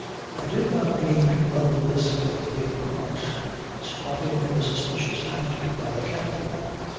"I did not mean to run the risk of being caught squatting in a suspicious attitude by the captain.